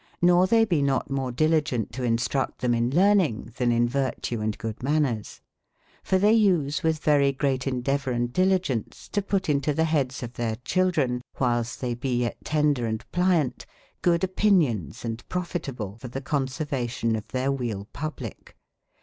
J^or they be not more diligente to in structe them in learning, then in vertue and good maners* for they use with verie great endevour and diligence to put into the beades of their children, whiles they be yet tender and pliaunte, good opini ons and profitable for the conservation of their wealepublique.